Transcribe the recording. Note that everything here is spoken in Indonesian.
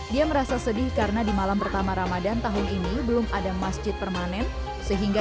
dia merasa sedih karena di malam pertama ramadhan tahun ini belum ada masjid permanen sehingga